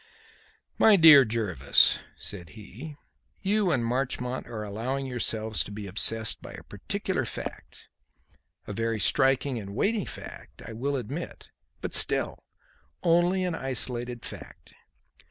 "My dear Jervis," said he, "you and Marchmont are allowing yourselves to be obsessed by a particular fact a very striking and weighty fact, I will admit, but still, only an isolated fact.